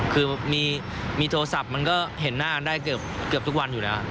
คือมีโทรศัพท์มันก็เห็นหน้ากันได้เกือบทุกวันอยู่แล้ว